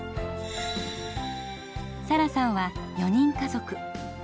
サラさんは４人家族。